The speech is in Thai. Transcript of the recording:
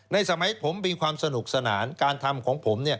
สมัยผมมีความสนุกสนานการทำของผม